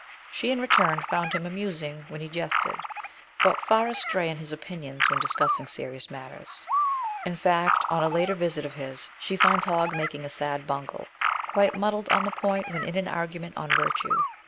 She in return found him amusing when he jested, but far astray in his opinions when discussing serious matters in fact, on a later visit of his, she finds Hogg makes a sad bungle, quite muddied on the point wheu in an argu ment on virtue.